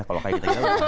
kalau kayak gitu